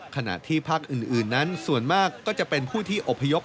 ขณะที่ภาคอื่นนั้นส่วนมากก็จะเป็นผู้ที่อบพยพ